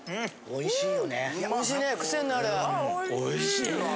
おいしい！